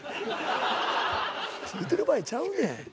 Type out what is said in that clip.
言うてる場合ちゃうねん。